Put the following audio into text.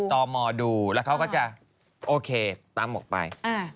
ต่อมอดูแล้วเขาก็จะโอเคตามออกไป